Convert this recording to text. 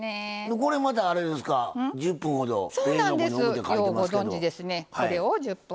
これまたあれですか「１０分ほど冷蔵庫におく」って書いてますけど。